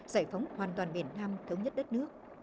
giải phóng hoàn toàn miền nam thống nhất đất nước